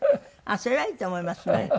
それはいいと思いますね。